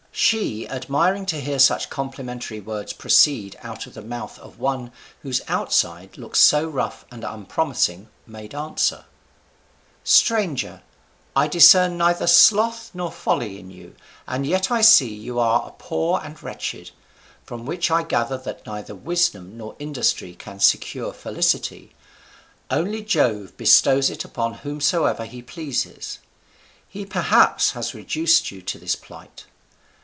She, admiring to hear such complimentary words proceed out of the mouth of one whose outside looked so rough and unpromising, made answer: "Stranger, I discern neither sloth nor folly in you, and yet I see that you are poor and wretched: from which I gather that neither wisdom nor industry can secure felicity; only Jove bestows it upon whomsoever he pleases. He perhaps has reduced you to this plight.